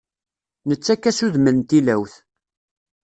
Nettakk-as udem n tilawt.